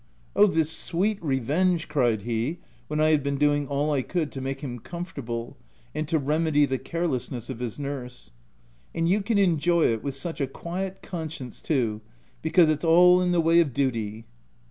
* Oh, this sweet revenge !" cried he, when I had been doing all I could to make him com fortable and to remedy the carelessness of his nurse. " And you can enjoy it with such a quiet conscience too, because it's all in the way of duty."